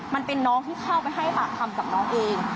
มันเป็นน้องที่เข้าไปให้ปากคำกับน้องเอง